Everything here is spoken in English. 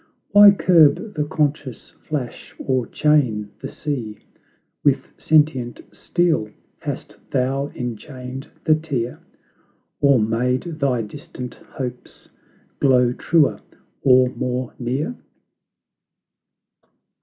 Why curb the conscious flash, or chain the sea With sentient steel? Hast thou enchained the tear, Or made thy distant hopes glow truer, or more near?